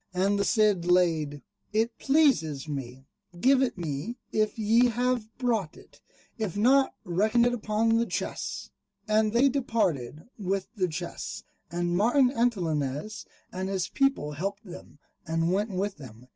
And the Cid laid, "It pleases me: give it me if ye have brought it; if not, reckon it upon the chests." And they departed with the chests, and Martin Antolinez and his people helped them, and went with them.